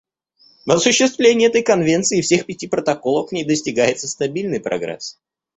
В осуществлении этой Конвенции и всех пяти протоколов к ней достигается стабильный прогресс.